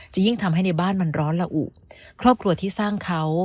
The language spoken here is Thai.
ยิ่งทำให้ในบ้านมันร้อนละอุครอบครัวที่สร้างเขา